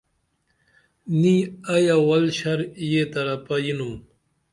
نی، ائی اول شر یہ طرپہ یِنُم